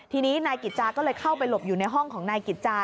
ทีนี้นายกิจจาก็เลยเข้าไปหลบอยู่ในห้องของนายกิจจา